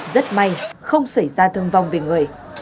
rất may không xảy ra thương vong về người